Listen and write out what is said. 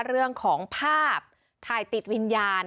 เรื่องของภาพถ่ายติดวิญญาณ